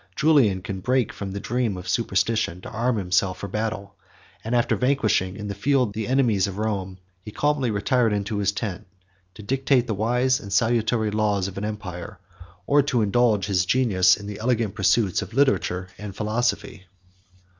Julian could break from the dream of superstition to arm himself for battle; and after vanquishing in the field the enemies of Rome, he calmly retired into his tent, to dictate the wise and salutary laws of an empire, or to indulge his genius in the elegant pursuits of literature and philosophy.